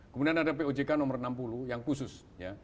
kemudian ada pojk nomor enam puluh yang khusus